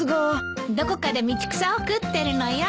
どこかで道草を食ってるのよ。